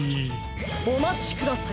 おまちください。